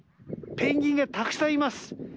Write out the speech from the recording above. ペンギンがたくさんいます。